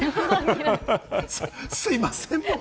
すいません、もう。